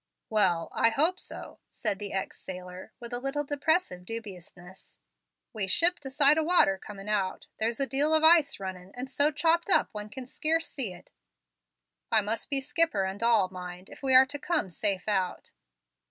"Well, I hope so," said the ex sailor, with a little depressive dubiousness. "We shipped a sight o' water comin' out. There's a deal of ice runnin', and so chopped up one can skerce see it. I must be skipper and all, mind, if we are to come safe out.